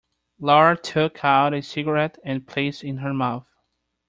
Laura took out a cigarette and placed it in her mouth.